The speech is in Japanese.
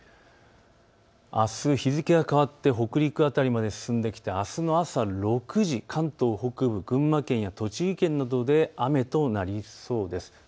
あす日付が変わって北陸辺りまで進んできて、あすの朝６時、関東北部、群馬県や栃木県などで雨となりそうです。